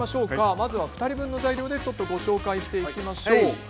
まず２人分の材料でご紹介していきましょう。